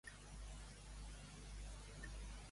U d'Octubre és el dia més trist de la meva vida